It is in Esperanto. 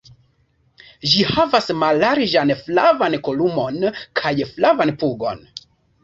Ĝi havas mallarĝan flavan kolumon kaj flavan pugon.